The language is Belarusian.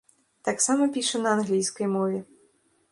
Таксама піша на англійскай мове.